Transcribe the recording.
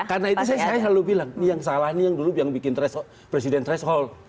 karena itu saya selalu bilang ini yang salah ini yang dulu yang bikin presiden threshold